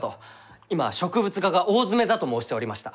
今植物画が大詰めだと申しておりました。